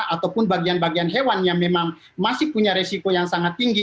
ataupun bagian bagian hewan yang memang masih punya resiko yang sangat tinggi